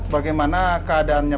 berapa abal ini